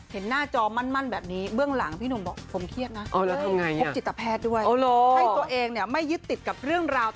หน้าจอมั่นแบบนี้เบื้องหลังพี่หนุ่มบอกผมเครียดนะ